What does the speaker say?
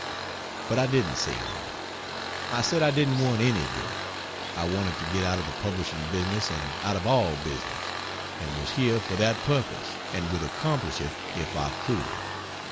But I didn't say that. I said I didn't want any book; I wanted to get out of the publishing business and out of all business, and was here for that purpose and would accomplish it if I could.